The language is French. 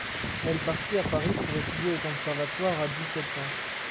Elle partit à Paris pour étudier au conservatoire à dix-sept ans.